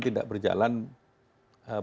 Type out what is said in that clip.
tidak berjalan begitu